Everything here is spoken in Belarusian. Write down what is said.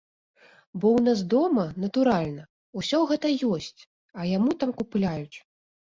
Бо ў нас дома, натуральна, усё гэта ёсць, а яму там купляюць.